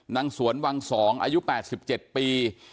นางสวนวัง๒อายุ๘๗ปี